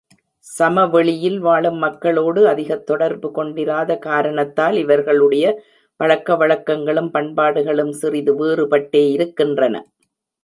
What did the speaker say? சமவெளியில் வாழும் மக்களோடு அதிகத் தொடர்பு கொண்டிராத காரணத்தால் இவர்களுடைய பழக்கவழக்கங்களும் பண்பாடுகளும் சிறிது வேறுபட்டே இருக்கின்றன.